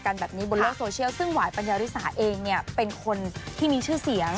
แบบนี้บนโลกโซเชียลซึ่งหวายปัญญาริสาเองเนี่ยเป็นคนที่มีชื่อเสียง